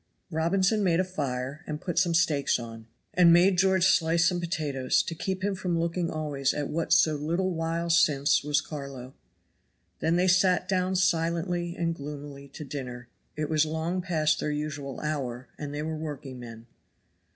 Robinson made a fire and put some steaks on, and made George slice some potatoes to keep him from looking always at what so little while since was Carlo. Then they sat down silently and gloomily to dinner, it was long past their usual hour and they were workingmen.